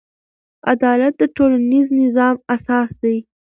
عدالت د ټولنیز نظم اساس دی.